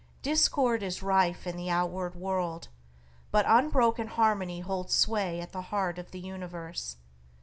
Discord is rife in the outward world, but unbroken harmony holds sway at the heart of the universe.